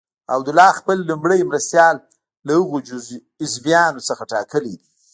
عبدالله خپل لومړی مرستیال له هغو حزبیانو څخه ټاکلی دی.